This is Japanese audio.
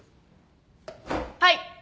はい。